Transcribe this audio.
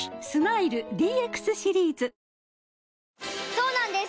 そうなんです